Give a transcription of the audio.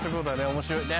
面白いね。